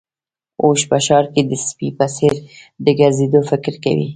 اوښ په ښار کې د سپي په څېر د ګرځېدو فکر کوي.